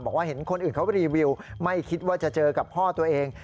เห็นคนอื่นเขารีวิวไม่คิดว่าจะเจอกับพ่อตัวเอง